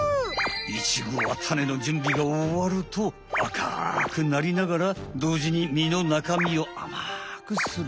イチゴはタネのじゅんびがおわると赤くなりながらどうじに実のなかみをあまくする。